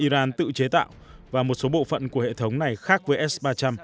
iran tự chế tạo và một số bộ phận của hệ thống này khác với s ba trăm linh